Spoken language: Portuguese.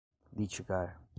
litigar